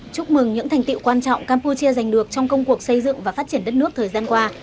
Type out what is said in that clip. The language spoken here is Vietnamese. chúc mừng những thành tiệu quan trọng campuchia giành được trong công cuộc xây dựng và phát triển đất nước thời gian qua